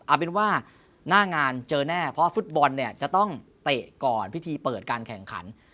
เอาเป็นว่าหน้างานเจอแน่เพราะฟุตบอลเนี่ยจะต้องเตะก่อนพิธีเปิดการแข่งขัน